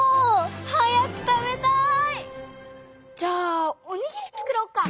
早く食べたい！じゃあおにぎりつくろうか？